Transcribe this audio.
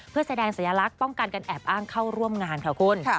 เพื่อแสดงสัญลักษณ์ป้องกันการแอบอ้างเข้าร่วมงานค่ะคุณ